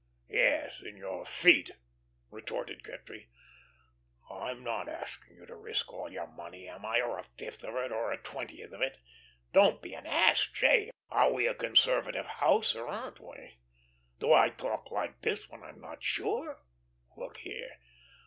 "Yes, in your feet," retorted Gretry. "I'm not asking you to risk all your money, am I, or a fifth of it, or a twentieth of it? Don't be an ass, J. Are we a conservative house, or aren't we? Do I talk like this when I'm not sure? Look here.